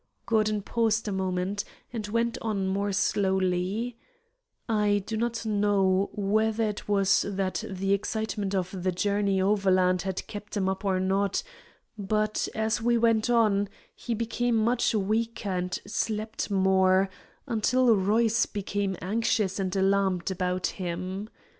'" Gordon paused a moment, and then went on more slowly: "I do not know whether it was that the excitement of the journey overland had kept him up or not, but as we went on he became much weaker and slept more, until Royce became anxious and alarmed about him.